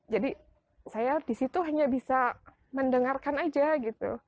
jadi saya di situ hanya bisa mendengarkan aja gitu